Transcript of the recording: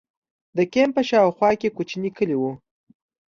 د کمپ په شا او خوا کې کوچنۍ کلي وو.